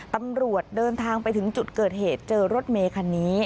ตำรวจเดินทางไปถึงจุดเกิดเหตุเจอรถเมคันนี้